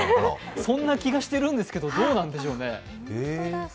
そんな気がしてるんですけど、どうなんでしょうね。